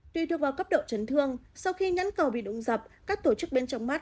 tuy thưa vào cấp độ chấn thương sau khi nhẫn cầu bị đụng dập các tổ chức bên trong mắt